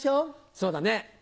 そうだね。